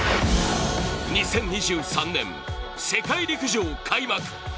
２０２３年、世界陸上開幕。